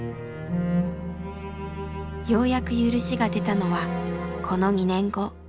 ようやく許しが出たのはこの２年後。